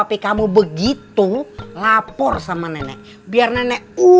bisa bergerakkan bahwa harus serba coba itu